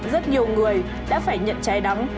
rất nhiều người đã phải nhận trái đắng